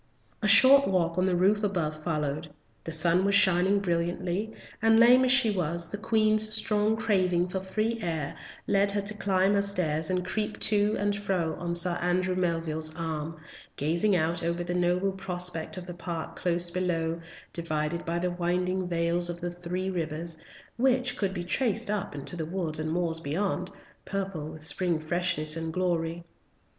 A short walk on the roof above followed. The sun was shining brilliantly, and lame as she was, the Queen's strong craving for free air led her to climb her stairs and creep to and fro on Sir Andrew Melville's arm, gazing out over the noble prospect of the park close below, divided by the winding vales of the three rivers, which could be traced up into the woods and the moors beyond, purple with spring freshness and glory.